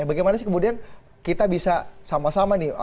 bagaimana sih kemudian kita bisa sama sama nih